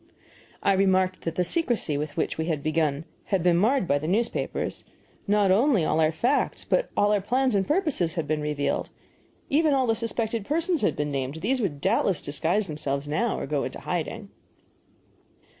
I remarked that the secrecy with which we had begun had been marred by the newspapers; not only all our facts but all our plans and purposes had been revealed; even all the suspected persons had been named; these would doubtless disguise themselves now, or go into hiding.